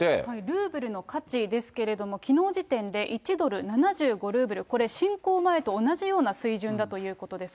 ルーブルの価値ですけれども、きのう時点で１ドル７５ルーブル、これ、侵攻前と同じような水準だということです。